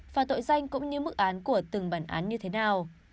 và tội danh cũng như mức án của từng bản án như thế nào